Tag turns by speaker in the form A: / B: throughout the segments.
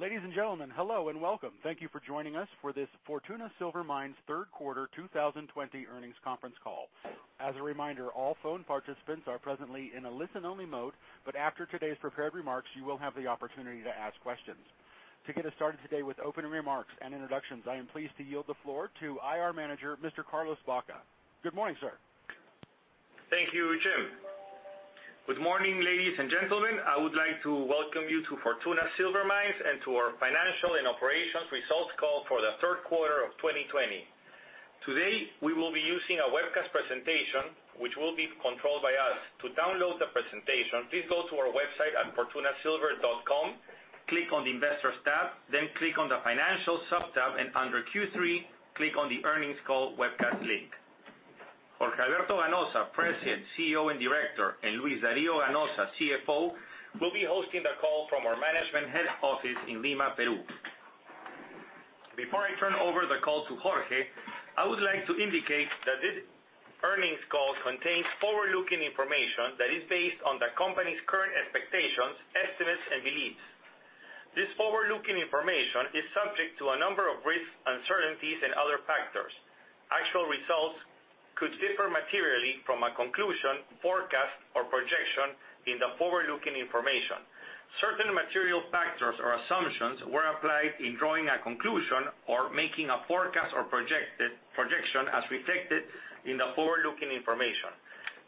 A: Ladies and gentlemen, hello and welcome. Thank you for joining us for this Fortuna Silver Mines third quarter 2020 earnings conference call. As a reminder, all phone participants are presently in a listen-only mode, but after today's prepared remarks, you will have the opportunity to ask questions. To get us started today with opening remarks and introductions, I am pleased to yield the floor to IR Manager Mr. Carlos Baca. Good morning, sir.
B: Thank you, Jim. Good morning, ladies and gentlemen. I would like to welcome you to Fortuna Silver Mines and to our financial and operations results call for the third quarter of 2020. Today, we will be using a webcast presentation, which will be controlled by us. To download the presentation, please go to our website at fortunasilver.com, click on the Investors tab, then click on the Financials subtab, and under Q3, click on the Earnings Call Webcast link. Jorge Alberto Ganoza, President, CEO, and Director; and Luis Dario Ganoza, CFO, will be hosting the call from our management head office in Lima, Peru. Before I turn over the call to Jorge, I would like to indicate that this earnings call contains forward-looking information that is based on the company's current expectations, estimates, and beliefs. This forward-looking information is subject to a number of risks, uncertainties, and other factors. Actual results could differ materially from a conclusion, forecast, or projection in the forward-looking information. Certain material factors or assumptions were applied in drawing a conclusion or making a forecast or projection as reflected in the forward-looking information.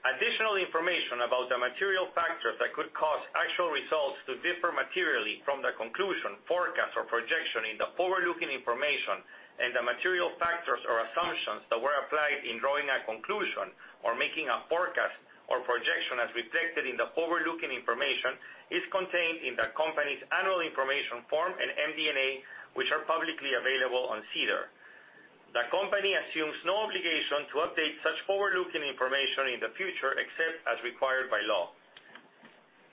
B: Additional information about the material factors that could cause actual results to differ materially from the conclusion, forecast, or projection in the forward-looking information, and the material factors or assumptions that were applied in drawing a conclusion or making a forecast or projection as reflected in the forward-looking information is contained in the company's annual information form and MD&A, which are publicly available on SEDAR. The company assumes no obligation to update such forward-looking information in the future except as required by law.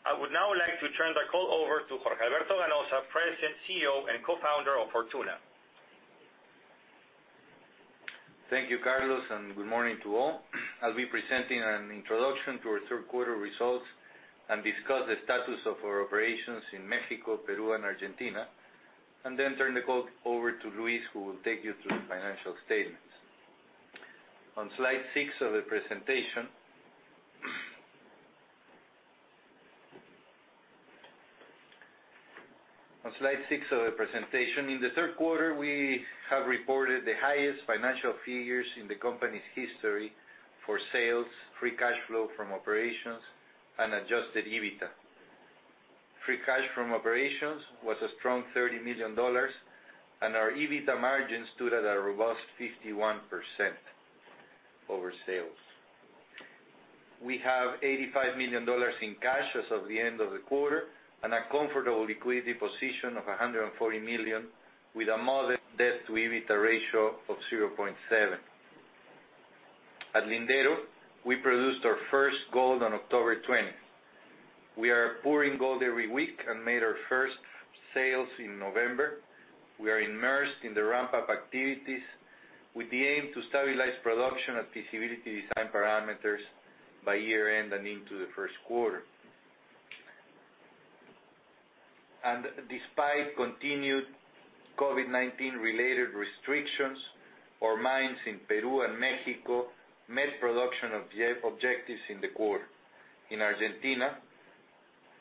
B: I would now like to turn the call over to Jorge Alberto Ganoza, President, CEO, and Co-founder of Fortuna.
C: Thank you, Carlos, and good morning to all. I'll be presenting an introduction to our third quarter results and discuss the status of our operations in Mexico, Peru, and Argentina, and then turn the call over to Luis who will take you through the financial statements. On slide six of the presentation, in the third quarter, we have reported the highest financial figures in the company's history for sales, free cash flow from operations, and adjusted EBITDA. Free cash from operations was a strong $30 million, and our EBITDA margin stood at a robust 51% over sales. We have $85 million in cash as of the end of the quarter and a comfortable liquidity position of $140 million, with a modest debt-to-EBITDA ratio of 0.7. At Lindero, we produced our first gold on October 20th. We are pouring gold every week and made our first sales in November. We are immersed in the ramp-up activities with the aim to stabilize production at feasibility design parameters by year-end and into the first quarter and despite continued COVID-19-related restrictions, our mines in Peru and Mexico met production objectives in the quarter. In Argentina,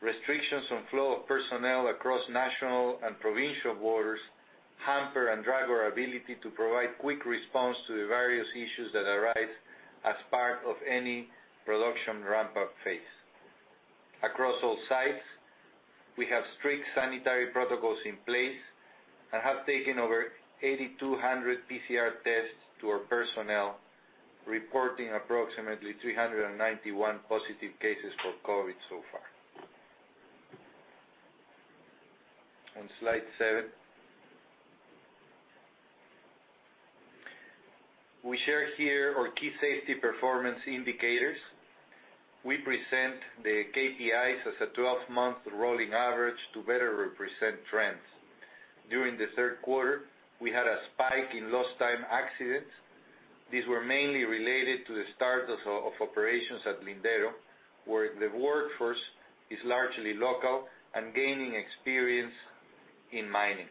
C: restrictions on flow of personnel across national and provincial borders hamper and drag our ability to provide quick response to the various issues that arise as part of any production ramp-up phase. Across all sites, we have strict sanitary protocols in place and have taken over 8,200 PCR tests to our personnel, reporting approximately 391 positive cases for COVID so far. On slide seven, we share here our key safety performance indicators. We present the KPIs as a 12-month rolling average to better represent trends. During the third quarter, we had a spike in lost-time accidents. These were mainly related to the start of operations at Lindero, where the workforce is largely local and gaining experience in mining.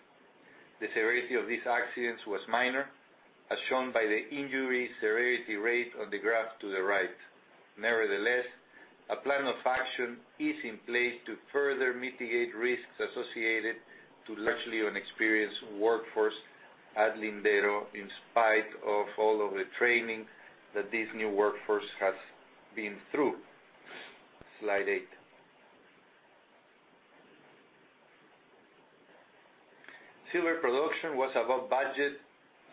C: The severity of these accidents was minor, as shown by the injury severity rate on the graph to the right. Nevertheless, a plan of action is in place to further mitigate risks associated with largely inexperienced workforce at Lindero, in spite of all of the training that this new workforce has been through. Slide eight. Silver production was above budget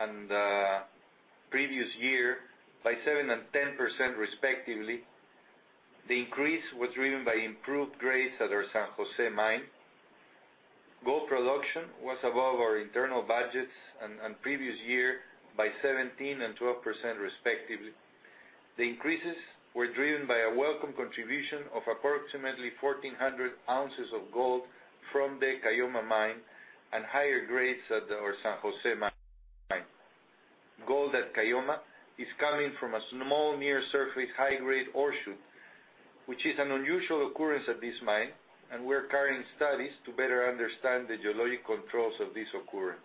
C: and previous year by seven and 10%, respectively. The increase was driven by improved grades at our San José mine. Gold production was above our internal budgets and previous year by 17% and 12%, respectively. The increases were driven by a welcome contribution of approximately 1,400 ounces of gold from the Caylloma mine and higher grades at our San José mine. Gold at Caylloma is coming from a small near-surface high-grade ore shoot, which is an unusual occurrence at this mine, and we're carrying studies to better understand the geologic controls of this occurrence.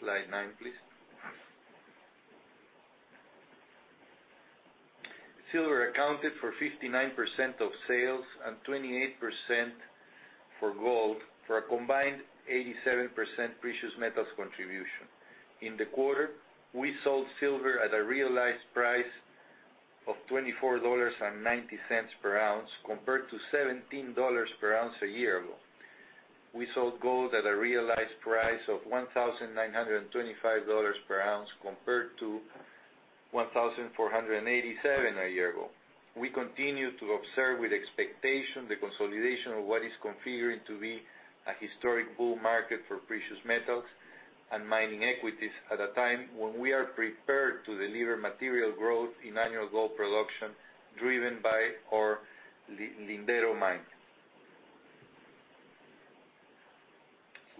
C: Slide nine, please. Silver accounted for 59% of sales and 28% for gold, for a combined 87% precious metals contribution. In the quarter, we sold silver at a realized price of $24.90 per ounce, compared to $17 per ounce a year ago. We sold gold at a realized price of $1,925 per ounce, compared to $1,487 a year ago. We continue to observe with expectation the consolidation of what is configuring to be a historic bull market for precious metals and mining equities at a time when we are prepared to deliver material growth in annual gold production driven by our Lindero mine.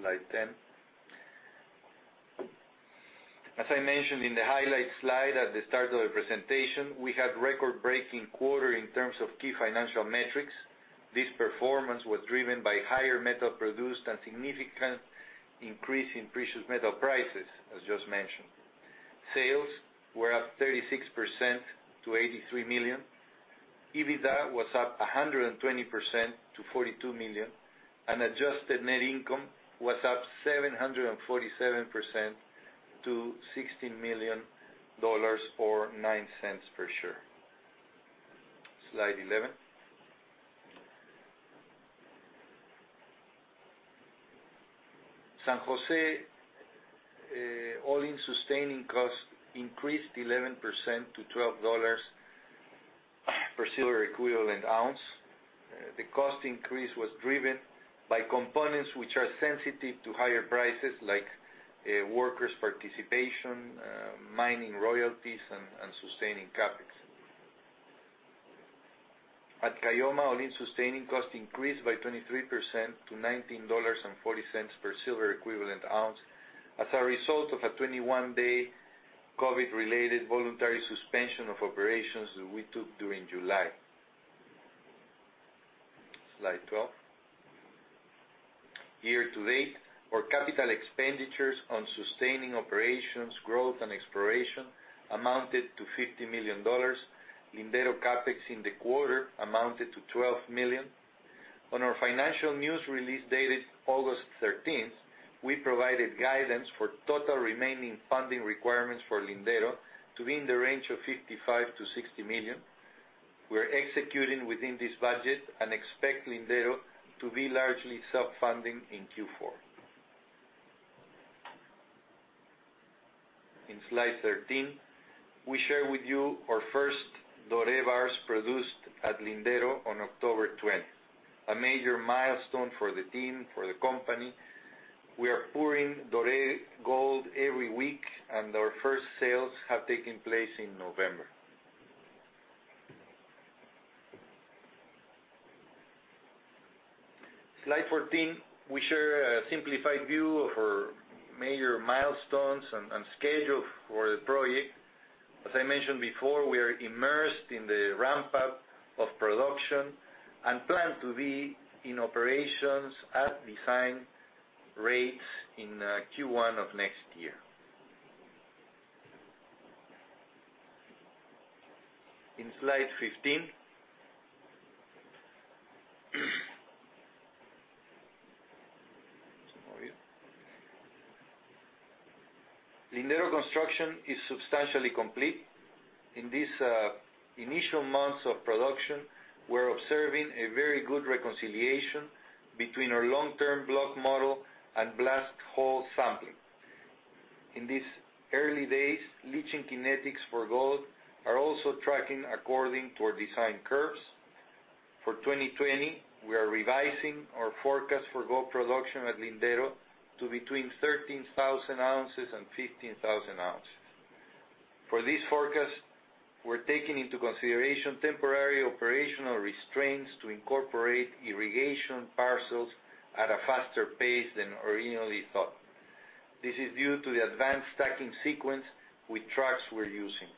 C: Slide 10. As I mentioned in the highlight slide at the start of the presentation, we had a record-breaking quarter in terms of key financial metrics. This performance was driven by higher metal produced and a significant increase in precious metal prices, as just mentioned. Sales were up 36% to $83 million. EBITDA was up 120% to $42 million, and adjusted net income was up 747% to $16 million or $0.09 per share. Slide 11. San José all-in sustaining costs increased 11% to $12 per silver equivalent ounce. The cost increase was driven by components which are sensitive to higher prices, like workers' participation, mining royalties, and sustaining capital. At Caylloma, all-in sustaining costs increased by 23% to $19.40 per silver equivalent ounce as a result of a 21-day COVID-related voluntary suspension of operations that we took during July. Slide 12. Year-to-date, our capital expenditures on sustaining operations, growth, and exploration amounted to $50 million. Lindero CapEx in the quarter amounted to $12 million. On our financial news release dated August 13th, we provided guidance for total remaining funding requirements for Lindero to be in the range of $55 million-$60 million. We're executing within this budget and expect Lindero to be largely self-funding in Q4. In slide 13, we share with you our first doré bars produced at Lindero on October 20th, a major milestone for the team, for the company. We are pouring doré gold every week, and our first sales have taken place in November. Slide 14, we share a simplified view of our major milestones and schedule for the project. As I mentioned before, we are immersed in the ramp-up of production and plan to be in operations at design rates in Q1 of next year. In slide 15, Lindero construction is substantially complete. In these initial months of production, we're observing a very good reconciliation between our long-term block model and blast hole sampling. In these early days, leaching kinetics for gold are also tracking according to our design curves. For 2020, we are revising our forecast for gold production at Lindero to between 13,000 ounces and 15,000 ounces. For this forecast, we're taking into consideration temporary operational restraints to incorporate irrigation parcels at a faster pace than originally thought. This is due to the advanced stacking sequence with trucks we're using.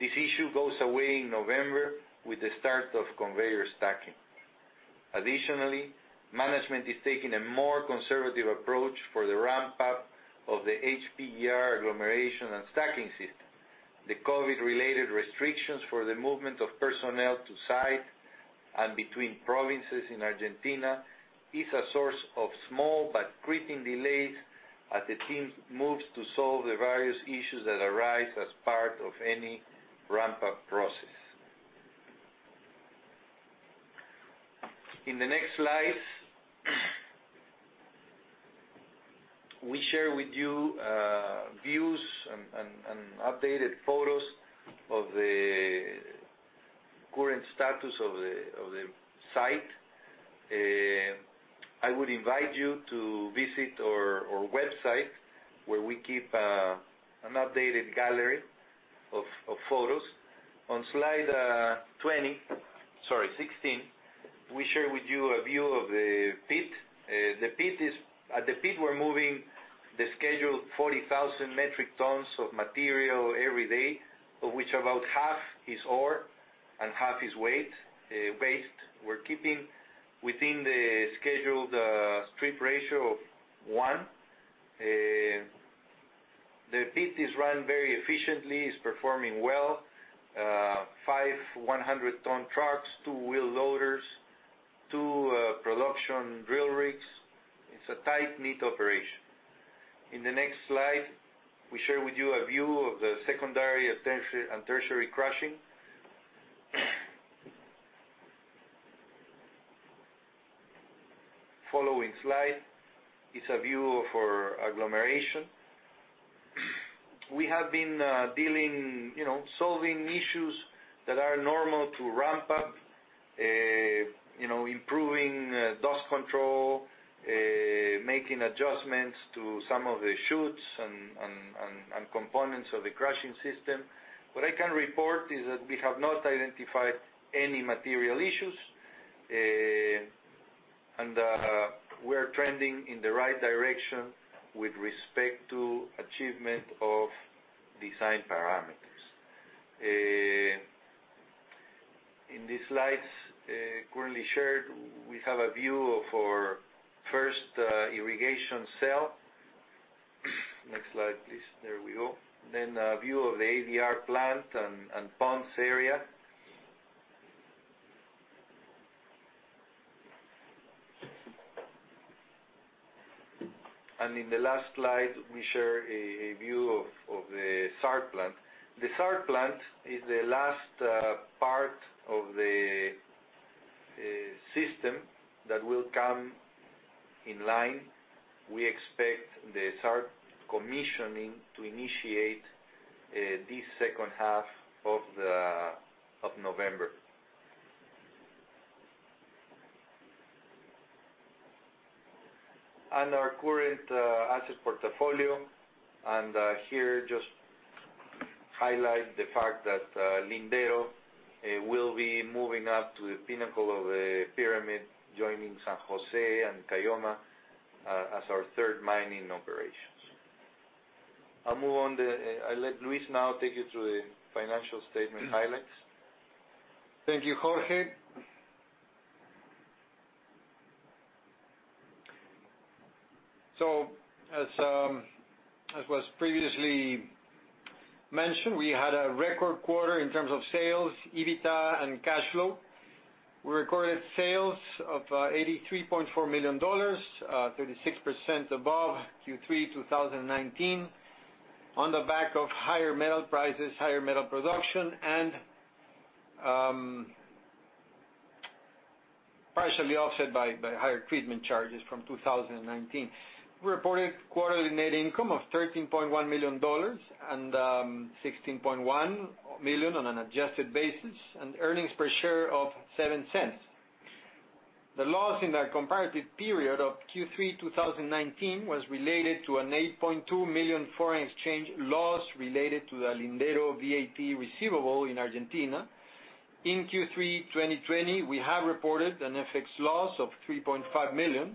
C: This issue goes away in November with the start of conveyor stacking. Additionally, management is taking a more conservative approach for the ramp-up of the HPGR agglomeration and stacking system. The COVID-related restrictions for the movement of personnel to site and between provinces in Argentina are a source of small but gripping delays as the team moves to solve the various issues that arise as part of any ramp-up process. In the next slides, we share with you views and updated photos of the current status of the site. I would invite you to visit our website where we keep an updated gallery of photos. On slide 20, sorry, 16, we share with you a view of the pit. At the pit, we're moving the scheduled 40,000 metric tons of material every day, of which about half is ore and half is waste. We're keeping within the scheduled strip ratio of one. The pit is run very efficiently. It's performing well. Five 100-ton trucks, two wheel loaders, two production drill rigs. It's a tight-knit operation. In the next slide, we share with you a view of the secondary and tertiary crushing. Following slide is a view of our agglomeration. We have been solving issues that are normal to ramp-up, improving dust control, making adjustments to some of the chutes and components of the crushing system. What I can report is that we have not identified any material issues, and we're trending in the right direction with respect to achievement of design parameters. In these slides currently shared, we have a view of our first irrigation cell. Next slide, please. There we go. Then a view of the ADR plant and pumps area and in the last slide, we share a view of the SART plant. The SART plant is the last part of the system that will come in line. We expect the SART commissioning to initiate this second half of November and our current asset portfolio, and here just highlight the fact that Lindero will be moving up to the pinnacle of the pyramid, joining San José and Caylloma as our third mining operations. I'll move on. I'll let Luis now take you through the financial statement highlights.
D: Thank you, Jorge. So as was previously mentioned, we had a record quarter in terms of sales, EBITDA, and cash flow. We recorded sales of $83.4 million, 36% above Q3 2019, on the back of higher metal prices, higher metal production, and partially offset by higher treatment charges from 2019. We reported quarterly net income of $13.1 million and $16.1 million on an adjusted basis, and earnings per share of $0.07. The loss in that comparative period of Q3 2019 was related to an $8.2 million foreign exchange loss related to the Lindero VAT receivable in Argentina. In Q3 2020, we have reported an FX loss of $3.5 million,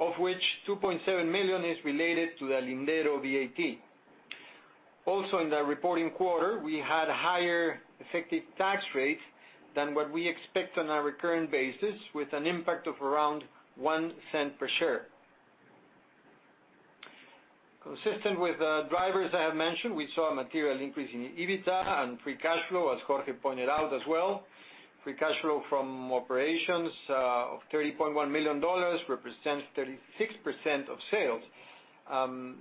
D: of which $2.7 million is related to the Lindero VAT. Also, in that reporting quarter, we had a higher effective tax rate than what we expect on a recurrent basis, with an impact of around $0.01 per share. Consistent with the drivers I have mentioned, we saw a material increase in EBITDA and free cash flow, as Jorge pointed out as well. Free cash flow from operations of $30.1 million represents 36% of sales.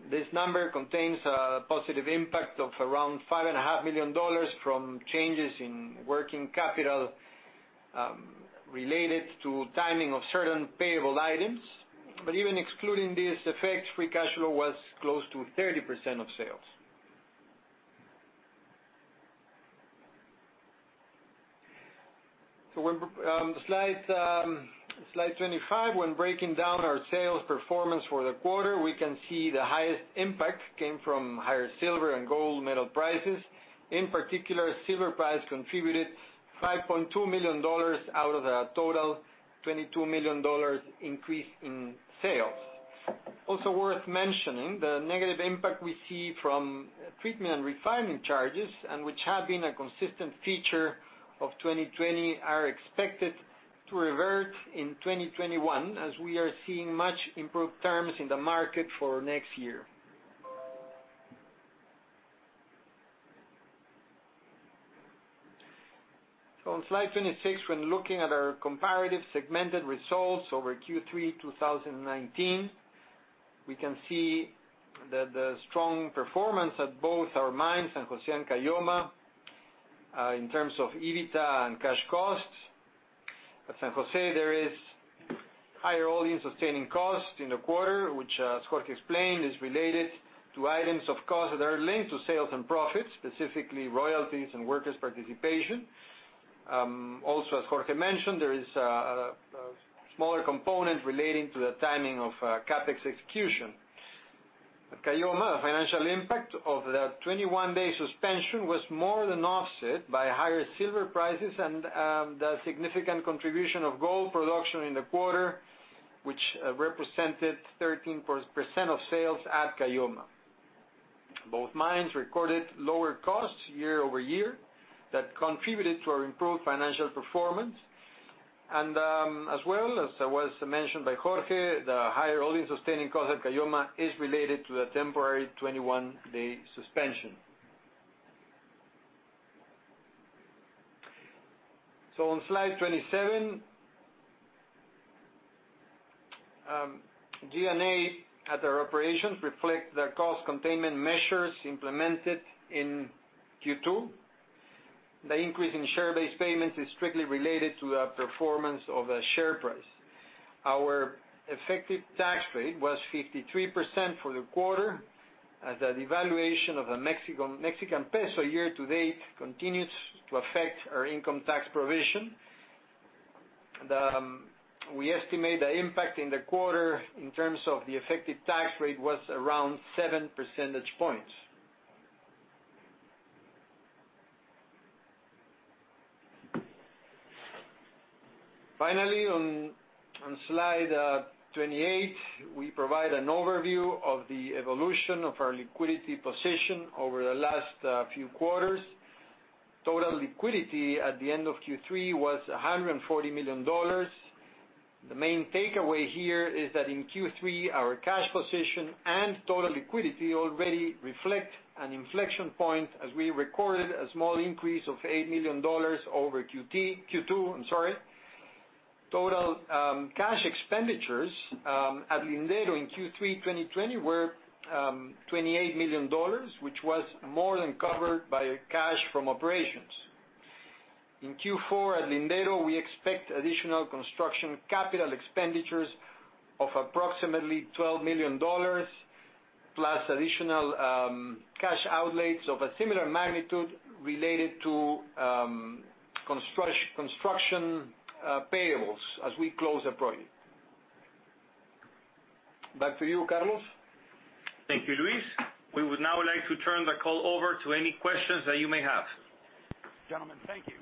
D: This number contains a positive impact of around $5.5 million from changes in working capital related to timing of certain payable items. But even excluding these effects, free cash flow was close to 30% of sales. So slide 25, when breaking down our sales performance for the quarter, we can see the highest impact came from higher silver and gold metal prices. In particular, silver price contributed $5.2 million out of the total $22 million increase in sales. Also worth mentioning, the negative impact we see from treatment and refining charges, and which have been a consistent feature of 2020, are expected to revert in 2021 as we are seeing much improved terms in the market for next year. On slide 26, when looking at our comparative segmented results over Q3 2019, we can see the strong performance at both our mines, San José and Caylloma, in terms of EBITDA and cash costs. At San José, there is higher all-in sustaining costs in the quarter, which, as Jorge explained, is related to items of cost that are linked to sales and profits, specifically royalties and workers' participation. Also, as Jorge mentioned, there is a smaller component relating to the timing of CapEx execution. At Caylloma, the financial impact of that 21-day suspension was more than offset by higher silver prices and the significant contribution of gold production in the quarter, which represented 13% of sales at Caylloma. Both mines recorded lower costs year over year that contributed to our improved financial performance. As well, as was mentioned by Jorge, the higher all-in sustaining costs at Caylloma is related to the temporary 21-day suspension. On slide 27, G&A at our operations reflects the cost containment measures implemented in Q2. The increase in share-based payments is strictly related to the performance of the share price. Our effective tax rate was 53% for the quarter, as the devaluation of the Mexican peso year-to-date continues to affect our income tax provision. We estimate the impact in the quarter in terms of the effective tax rate was around 7 percentage points. Finally, on slide 28, we provide an overview of the evolution of our liquidity position over the last few quarters. Total liquidity at the end of Q3 was $140 million. The main takeaway here is that in Q3, our cash position and total liquidity already reflect an inflection point as we recorded a small increase of $8 million over Q2. Total cash expenditures at Lindero in Q3 2020 were $28 million, which was more than covered by cash from operations. In Q4 at Lindero, we expect additional construction capital expenditures of approximately $12 million, plus additional cash outlays of a similar magnitude related to construction payables as we close the project. Back to you, Carlos.
B: Thank you, Luis. We would now like to turn the call over to any questions that you may have.
A: Gentlemen, thank you.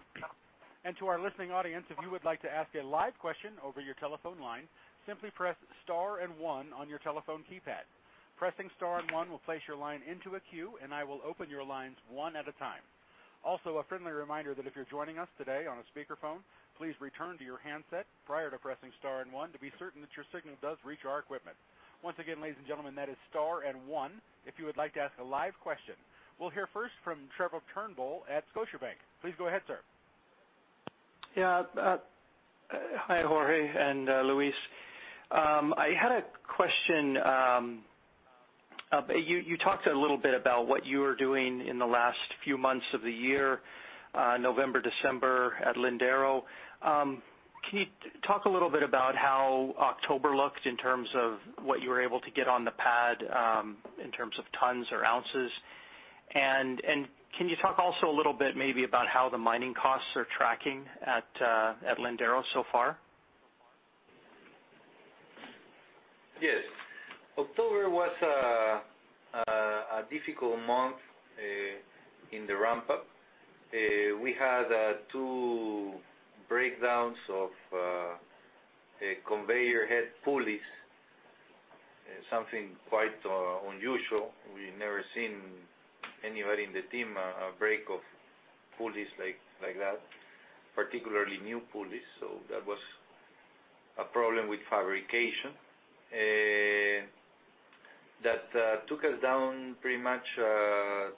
A: And to our listening audience, if you would like to ask a live question over your telephone line, simply press star and one on your telephone keypad. Pressing star and one will place your line into a queue, and I will open your lines one at a time. Also, a friendly reminder that if you're joining us today on a speakerphone, please return to your handset prior to pressing star and one to be certain that your signal does reach our equipment. Once again, ladies and gentlemen, that is star and one if you would like to ask a live question. We'll hear first from Trevor Turnbull at Scotiabank. Please go ahead, sir.
E: Yeah. Hi, Jorge and Luis. I had a question. You talked a little bit about what you were doing in the last few months of the year, November, December at Lindero. Can you talk a little bit about how October looked in terms of what you were able to get on the pad in terms of tons or ounces? And can you talk also a little bit maybe about how the mining costs are tracking at Lindero so far?
C: Yes. October was a difficult month in the ramp-up. We had two breakdowns of conveyor head pulleys, something quite unusual. We've never seen anybody in the team break off pulleys like that, particularly new pulleys. So that was a problem with fabrication that took us down pretty much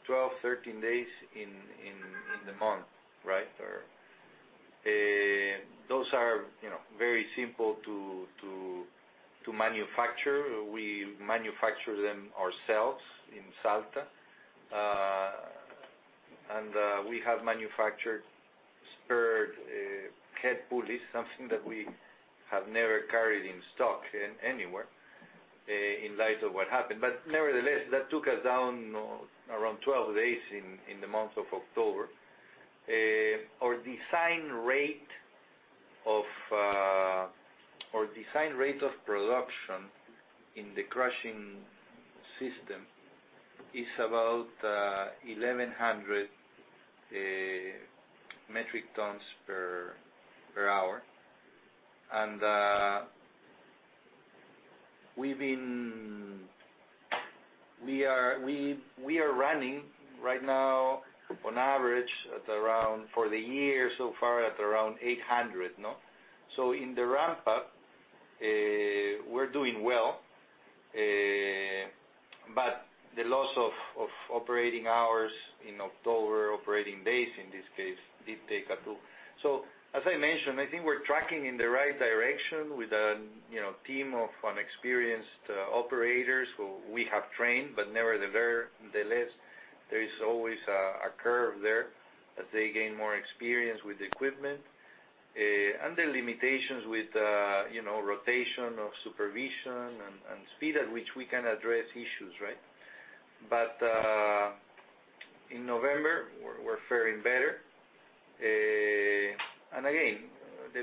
C: 12, 13 days in the month, right? Those are very simple to manufacture. We manufacture them ourselves in Salta. And we have manufactured spare head pulleys, something that we have never carried in stock anywhere in light of what happened. But nevertheless, that took us down around 12 days in the month of October. Our design rate of production in the crushing system is about 1,100 metric tons per hour. We are running right now, on average, for the year so far, at around 800. In the ramp-up, we're doing well. The loss of operating hours in October, operating days in this case, did take a toll. As I mentioned, I think we're tracking in the right direction with a team of experienced operators who we have trained. Nevertheless, there is always a curve there as they gain more experience with the equipment and the limitations with rotation of supervision and speed at which we can address issues, right? In November, we're faring better. Again,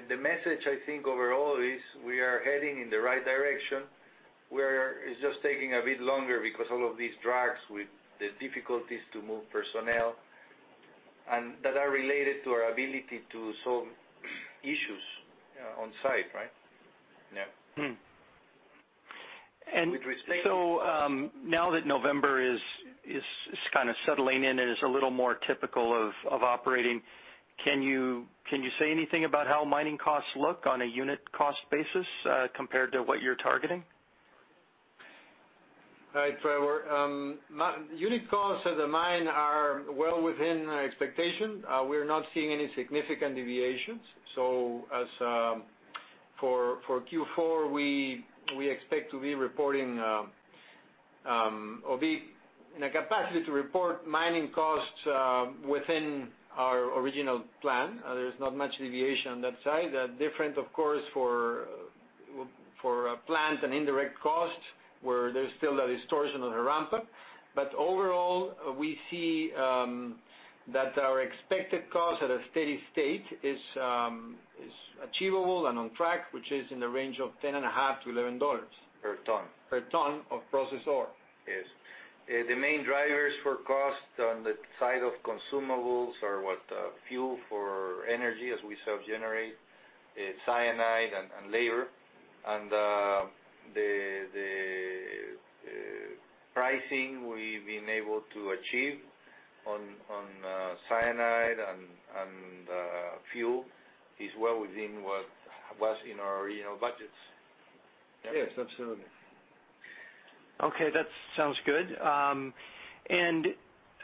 C: the message, I think, overall is we are heading in the right direction. It's just taking a bit longer because all of these drags with the difficulties to move personnel that are related to our ability to solve issues on site, right? Yeah. With respect to.
E: And so now that November is kind of settling in and is a little more typical of operating, can you say anything about how mining costs look on a unit cost basis compared to what you're targeting?
D: Right, Trevor. Unit costs at the mine are well within expectation. We're not seeing any significant deviations. So for Q4, we expect to be reporting or be in a capacity to report mining costs within our original plan. There's not much deviation on that side. Different, of course, for a plant and indirect costs where there's still a distortion of the ramp-up. But overall, we see that our expected cost at a steady state is achievable and on track, which is in the range of $10.5-$11.
C: Per ton.
D: Per ton of process ore.
C: Yes. The main drivers for cost on the side of consumables are what? Fuel for energy as we self-generate, cyanide, and labor, and the pricing we've been able to achieve on cyanide and fuel is well within what was in our original budgets.
D: Yes, absolutely.
E: Okay. That sounds good, and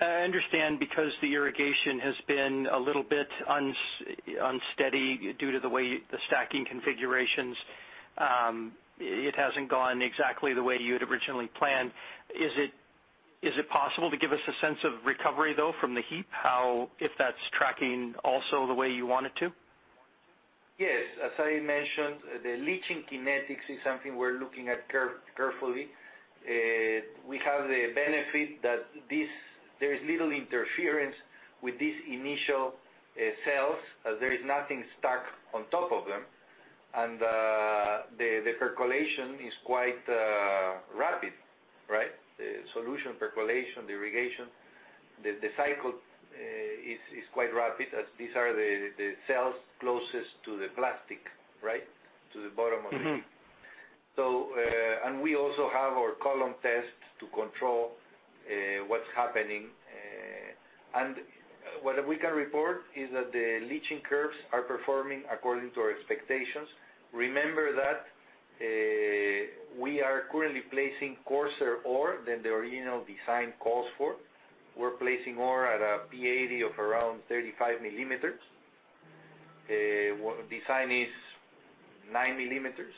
E: I understand because the irrigation has been a little bit unsteady due to the way the stacking configurations. It hasn't gone exactly the way you had originally planned. Is it possible to give us a sense of recovery, though, from the heap, if that's tracking also the way you want it to?
C: Yes. As I mentioned, the leaching kinetics is something we're looking at carefully. We have the benefit that there is little interference with these initial cells as there is nothing stuck on top of them, and the percolation is quite rapid, right? The solution percolation, the irrigation, the cycle is quite rapid as these are the cells closest to the plastic, right, to the bottom of the heap. And we also have our column tests to control what's happening. And what we can report is that the leaching curves are performing according to our expectations. Remember that we are currently placing coarser ore than the original design calls for. We're placing ore at a P80 of around 35 millimeters. Design is nine millimeters.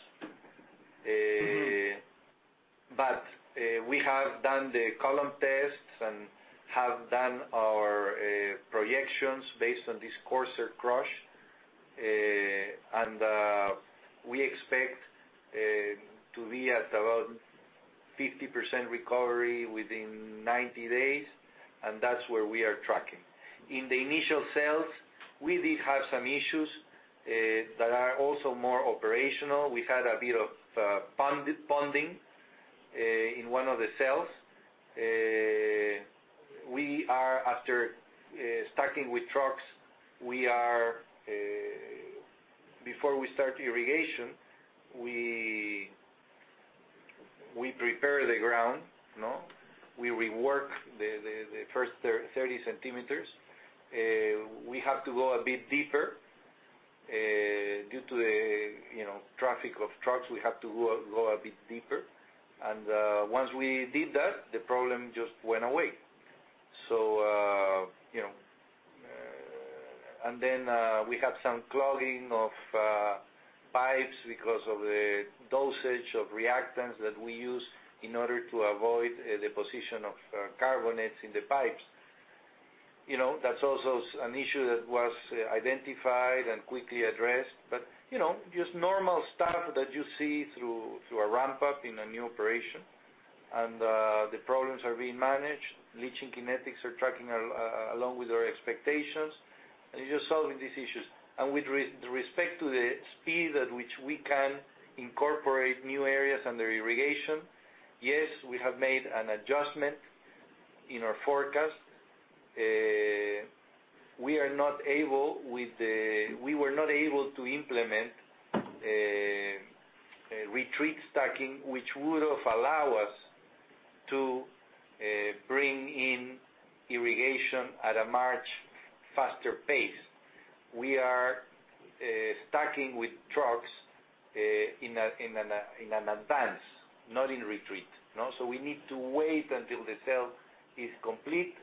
C: But we have done the column tests and have done our projections based on this coarser crush. And we expect to be at about 50% recovery within 90 days. And that's where we are tracking. In the initial cells, we did have some issues that are also more operational. We had a bit of ponding in one of the cells. After stacking with trucks, before we start irrigation, we prepare the ground. We rework the first 30 centimeters. We have to go a bit deeper due to the traffic of trucks. We have to go a bit deeper, and once we did that, the problem just went away, and then we had some clogging of pipes because of the dosage of reactants that we use in order to avoid the precipitation of carbonates in the pipes. That's also an issue that was identified and quickly addressed, but just normal stuff that you see through a ramp-up in a new operation, and the problems are being managed. Leaching kinetics are tracking along with our expectations, and you're just solving these issues, and with respect to the speed at which we can incorporate new areas under irrigation, yes, we have made an adjustment in our forecast. We were not able to implement retreat stacking, which would have allowed us to bring in irrigation at a much faster pace. We are stacking with trucks in an advance, not in retreat. So we need to wait until the cell is complete.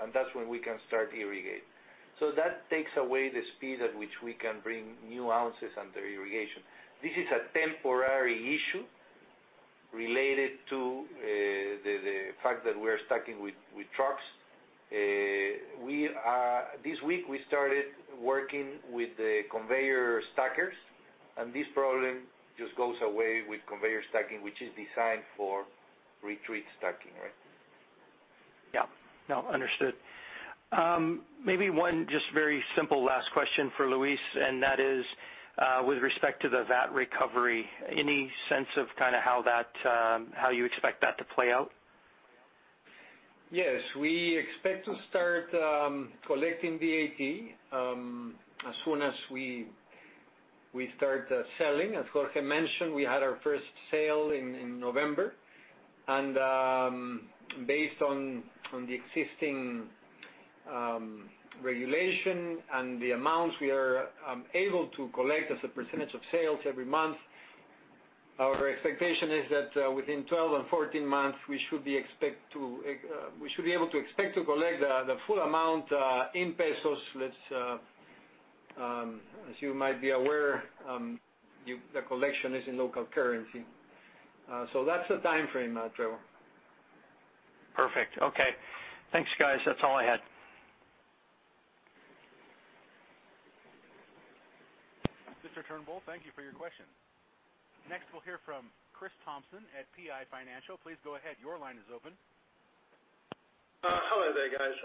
C: And that's when we can start irrigation. So that takes away the speed at which we can bring new ounces under irrigation. This is a temporary issue related to the fact that we are stacking with trucks. This week, we started working with the conveyor stackers. And this problem just goes away with conveyor stacking, which is designed for retreat stacking, right?
E: Yeah. No, understood. Maybe one just very simple last question for Luis. And that is with respect to the VAT recovery, any sense of kind of how you expect that to play out?
D: Yes. We expect to start collecting VAT as soon as we start selling. As Jorge mentioned, we had our first sale in November and based on the existing regulation and the amounts we are able to collect as a percentage of sales every month, our expectation is that within 12 and 14 months, we should be able to collect the full amount in pesos. As you might be aware, the collection is in local currency, so that's the time frame, Trevor.
E: Perfect. Okay. Thanks, guys. That's all I had.
A: Mr. Turnbull, thank you for your question. Next, we'll hear from Chris Thompson at PI Financial. Please go ahead. Your line is open.
F: Hello, there, guys.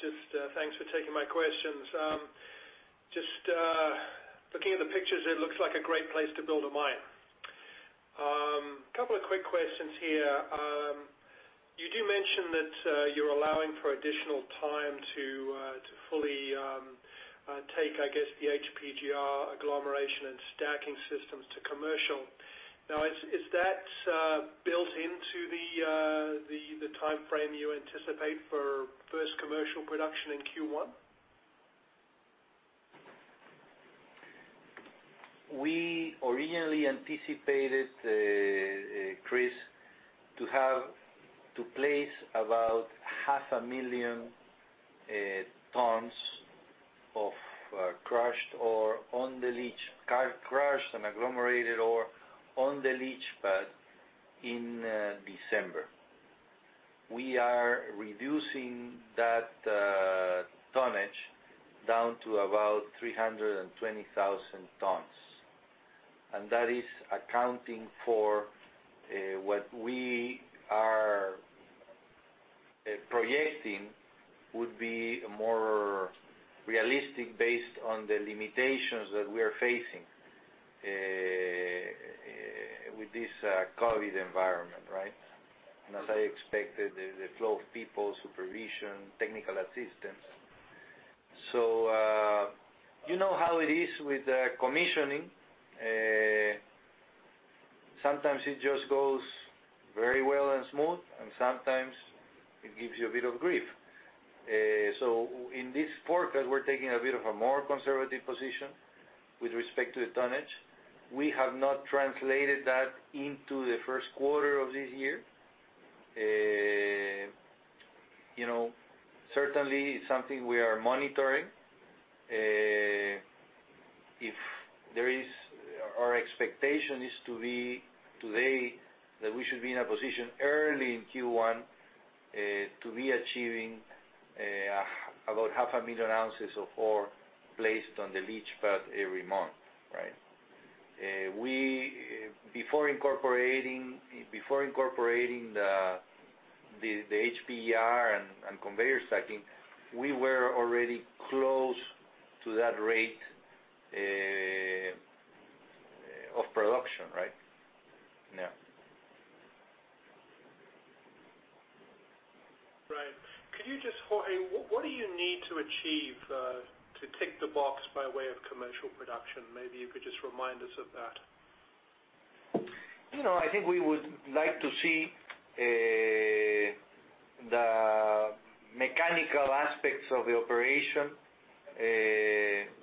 F: Just thanks for taking my questions. Just looking at the pictures, it looks like a great place to build a mine. A couple of quick questions here. You do mention that you're allowing for additional time to fully take, I guess, the HPGR agglomeration and stacking systems to commercial. Now, is that built into the time frame you anticipate for first commercial production in Q1?
C: We originally anticipated, Chris, to place about 500,000 tons of crushed ore on the leach, crushed and agglomerated ore on the leach pad in December. We are reducing that tonnage down to about 320,000 tons. And that is accounting for what we are projecting would be more realistic based on the limitations that we are facing with this COVID environment, right? And as I expected, the flow of people, supervision, technical assistance. So you know how it is with commissioning. Sometimes it just goes very well and smooth, and sometimes it gives you a bit of grief. In this forecast, we're taking a bit of a more conservative position with respect to the tonnage. We have not translated that into the first quarter of this year. Certainly, it's something we are monitoring. If there is, our expectation is to be today that we should be in a position early in Q1 to be achieving about 500,000 ounces of ore placed on the leach pad every month, right? Before incorporating the HPGR and conveyor stacking, we were already close to that rate of production, right? Yeah.
F: Right. Could you just what do you need to achieve to tick the box by way of commercial production? Maybe you could just remind us of that.
C: I think we would like to see the mechanical aspects of the operation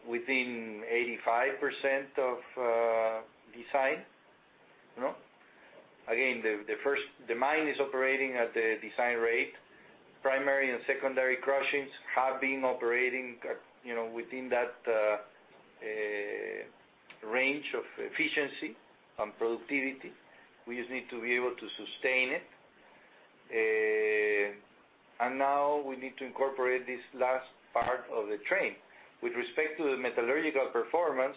C: within 85% of design. Again, the mine is operating at the design rate. Primary and secondary crushers have been operating within that range of efficiency and productivity. We just need to be able to sustain it. And now we need to incorporate this last part of the train. With respect to the metallurgical performance,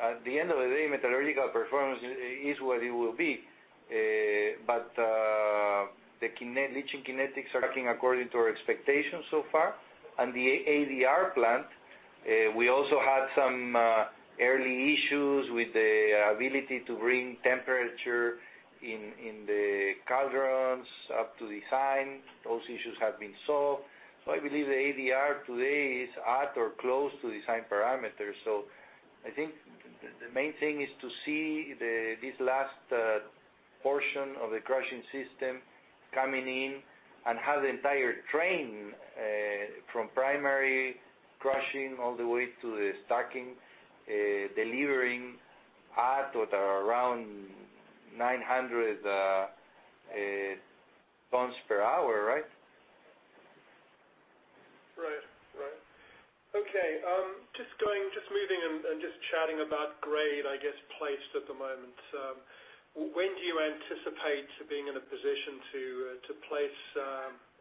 C: at the end of the day, metallurgical performance is what it will be. But the leaching kinetics are tracking according to our expectations so far. And the ADR plant, we also had some early issues with the ability to bring temperature in the carbon columns up to design. Those issues have been solved. So I believe the ADR today is at or close to design parameters. So I think the main thing is to see this last portion of the crushing system coming in and have the entire train from primary crushing all the way to the stacking, delivering at or around 900 tons per hour, right?
F: Right. Right. Okay. Just moving and just chatting about grade, I guess, placed at the moment. When do you anticipate being in a position to place,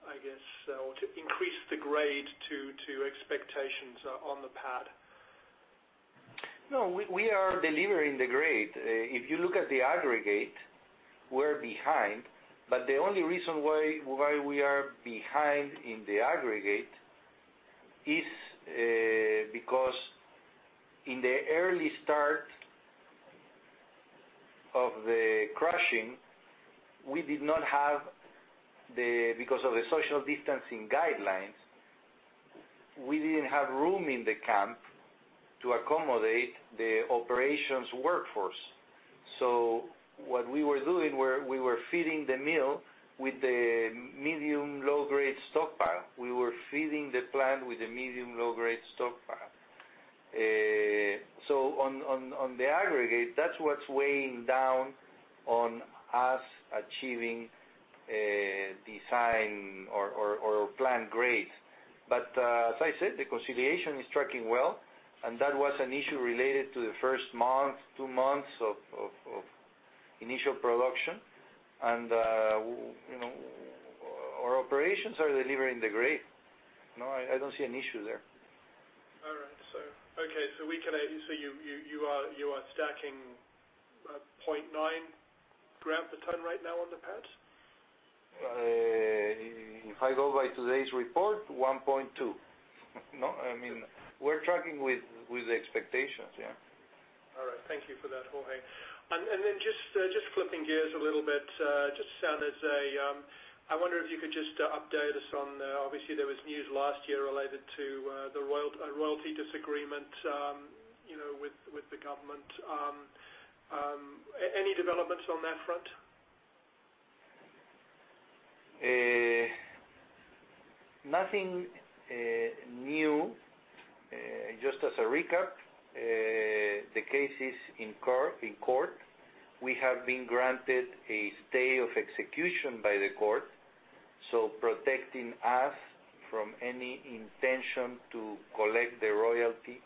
F: I guess, or to increase the grade to expectations on the pad?
C: No, we are delivering the grade. If you look at the aggregate, we're behind. But the only reason why we are behind in the aggregate is because in the early start of the crushing, because of the social distancing guidelines, we didn't have room in the camp to accommodate the operations workforce. So what we were doing, we were feeding the mill with the medium-low-grade stockpile. We were feeding the plant with the medium-low-grade stockpile. So on the aggregate, that's what's weighing down on us achieving design or plan grades. But as I said, the reconciliation is tracking well. And that was an issue related to the first month, two months of initial production. And our operations are delivering the grade. I don't see an issue there.
F: All right. Okay. So you are stacking 0.9 gram per ton right now on the pads?
C: If I go by today's report, 1.2. I mean, we're tracking with the expectations, yeah.
F: All right. Thank you for that, Jorge. And then just flipping gears a little bit, just one, as I wonder if you could just update us on obviously, there was news last year related to the royalty disagreement with the government. Any developments on that front?
C: Nothing new. Just as a recap, the case is in court. We have been granted a stay of execution by the court. So protecting us from any intention to collect the royalty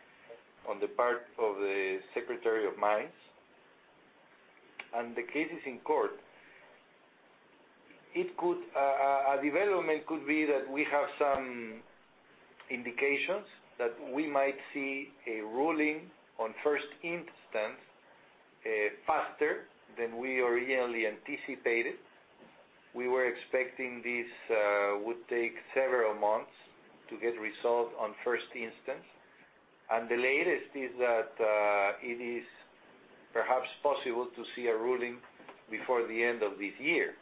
C: on the part of the Secretary of Mines. The case is in court. A development could be that we have some indications that we might see a ruling on first instance faster than we originally anticipated. We were expecting this would take several months to get resolved on first instance. And the latest is that it is perhaps possible to see a ruling before the end of this year.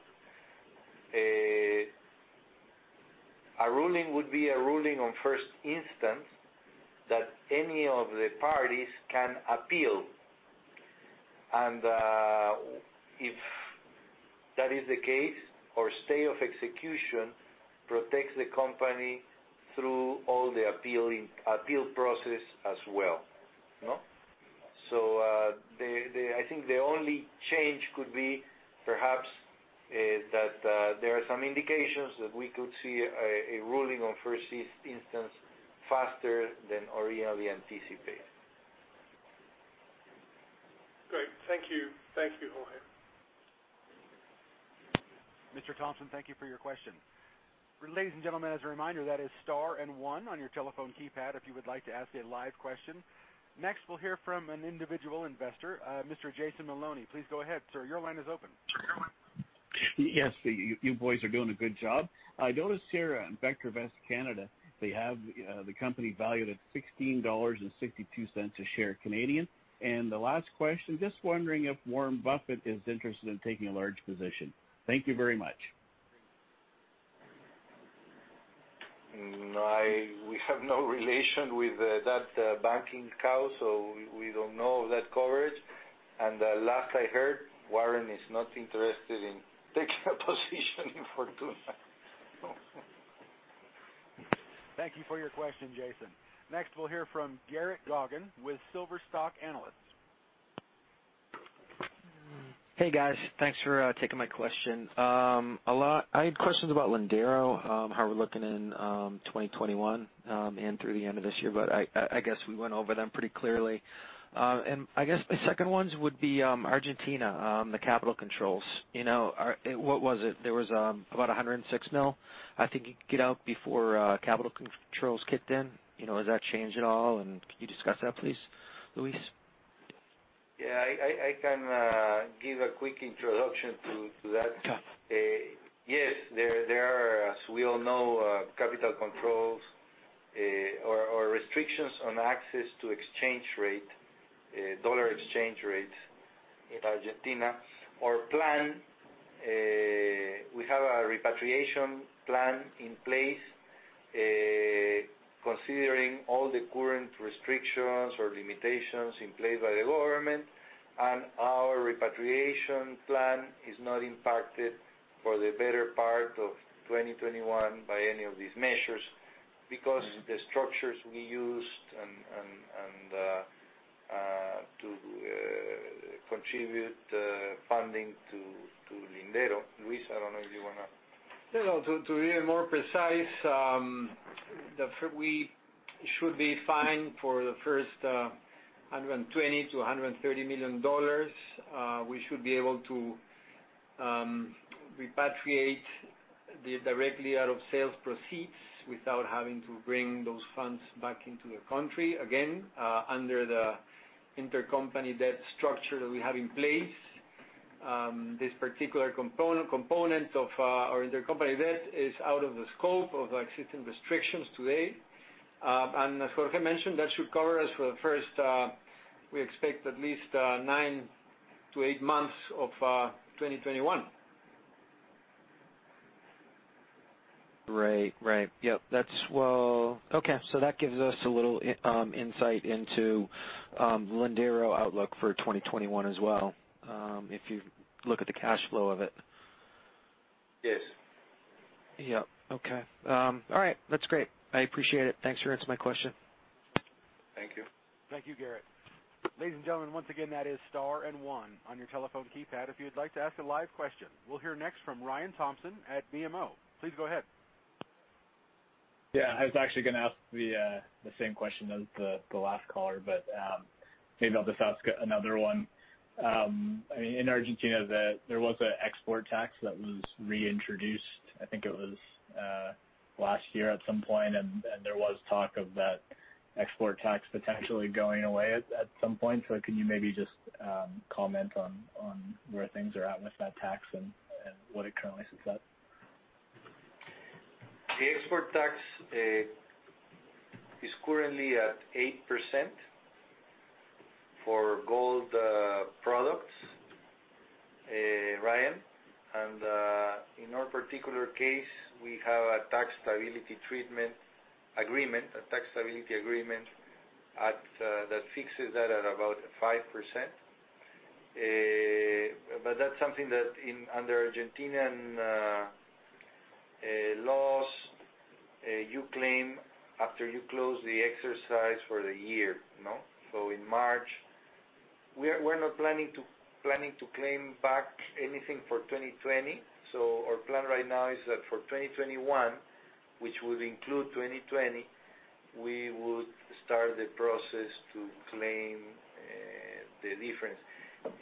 C: A ruling would be a ruling on first instance that any of the parties can appeal. And if that is the case, or stay of execution protects the company through all the appeal process as well. So I think the only change could be perhaps that there are some indications that we could see a ruling on first instance faster than originally anticipated.
F: Great. Thank you. Thank you, Jorge.
A: Mr. Thompson, thank you for your question. Ladies and gentlemen, as a reminder, that is star and one on your telephone keypad if you would like to ask a live question. Next, we'll hear from an individual investor, Mr. Jason Maloney. Please go ahead, sir. Your line is open. Yes. You boys are doing a good job. I noticed here at VectorVest, Canada, they have the company valued at 16.62 dollars a share Canadian, and the last question, just wondering if Warren Buffett is interested in taking a large position. Thank you very much.
C: We have no relation with VectorVest, so we don't know of that coverage, and last I heard, Warren is not interested in taking a position in Fortuna.
A: Thank you for your question, Jason. Next, we'll hear from Garrett Goggin with Silver Stock Analyst.
G: Hey, guys. Thanks for taking my question. I had questions about Lindero, how we're looking in 2021 and through the end of this year. But I guess we went over them pretty clearly. And I guess my second ones would be Argentina, the capital controls. What was it? There was about $106 million. I think it got out before capital controls kicked in. Has that changed at all? And can you discuss that, please, Luis?
C: Yeah. I can give a quick introduction to that. Yes. There are, as we all know, capital controls or restrictions on access to exchange rate, dollar exchange rates in Argentina. Our plan, we have a repatriation plan in place considering all the current restrictions or limitations in place by the government. And our repatriation plan is not impacted for the better part of 2021 by any of these measures because the structures we used to contribute funding to Lindero. Luis, I don't know if you want to.
D: No, no. To be more precise, we should be fine for the first $120 million-$130 million. We should be able to repatriate directly out of sales proceeds without having to bring those funds back into the country. Again, under the intercompany debt structure that we have in place, this particular component of our intercompany debt is out of the scope of existing restrictions today. And as Jorge mentioned, that should cover us for the first, we expect at least nine to eight months of 2021.
G: Right. Right. Yep. Well, okay. So that gives us a little insight into Lindero outlook for 2021 as well if you look at the cash flow of it.
C: Yes.
G: Yep. Okay. All right. That's great. I appreciate it. Thanks for answering my question.
C: Thank you.
A: Thank you, Garrett.
G: Ladies and gentlemen, once again, that is star and one on your telephone keypad if you'd like to ask a live question. We'll hear next from Ryan Thompson at BMO. Please go ahead.
H: Yeah. I was actually going to ask the same question as the last caller, but maybe I'll just ask another one. I mean, in Argentina, there was an export tax that was reintroduced. I think it was last year at some point. And there was talk of that export tax potentially going away at some point. So can you maybe just comment on where things are at with that tax and what it currently sets up?
D: The export tax is currently at 8% for gold products, Ryan. And in our particular case, we have a tax stability treatment agreement, a tax stability agreement that fixes that at about 5%. But that's something that under Argentine laws, you claim after you close the exercise for the year, no? So in March, we're not planning to claim back anything for 2020. So our plan right now is that for 2021, which would include 2020, we would start the process to claim the difference.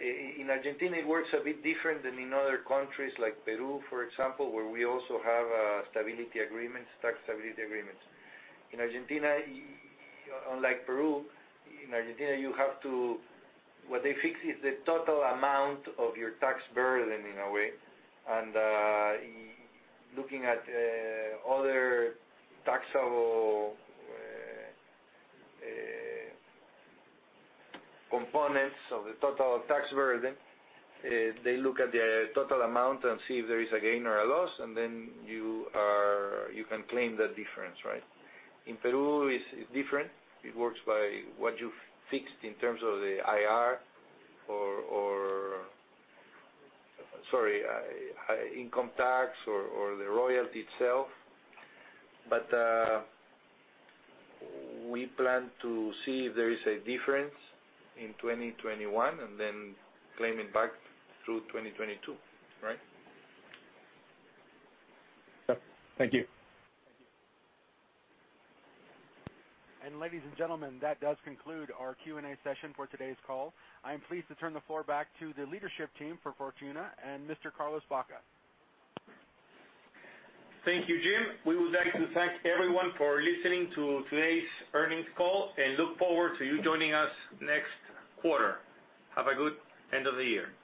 D: In Argentina, it works a bit different than in other countries like Peru, for example, where we also have tax stability agreements. In Argentina, unlike Peru, in Argentina, you have to what they fix is the total amount of your tax burden in a way. And looking at other taxable components of the total tax burden, they look at the total amount and see if there is a gain or a loss, and then you can claim that difference, right? In Peru, it's different. It works by what you fixed in terms of the IR or, sorry, income tax or the royalty itself. But we plan to see if there is a difference in 2021 and then claim it back through 2022, right?
H: Yep. Thank you.
A: Thank you. And ladies and gentlemen, that does conclude our Q&A session for today's call. I am pleased to turn the floor back to the leadership team for Fortuna and Mr. Carlos Baca.
B: Thank you, Jim. We would like to thank everyone for listening to today's earnings call and look forward to you joining us next quarter. Have a good end of the year. Bye.